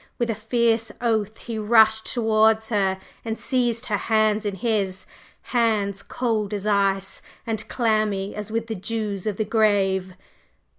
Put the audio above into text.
With a fierce oath he rushed towards her, and seized her hands in his hands cold as ice and clammy as with the dews of the grave.